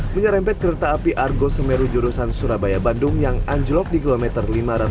menyerempet kereta api argo semeru jurusan surabaya bandung yang anjlok di kilometer lima ratus